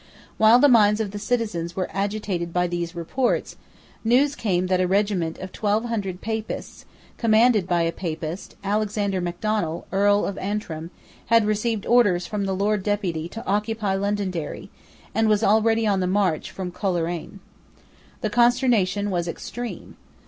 While the minds of the citizens were agitated by these reports, news came that a regiment of twelve hundred Papists, commanded by a Papist, Alexander Macdonnell, Earl of Antrim, had received orders from the Lord Deputy to occupy Londonderry, and was already on the march from Coleraine. The consternation was extreme.